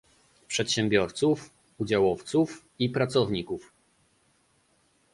przedsiębiorców, udziałowców i pracowników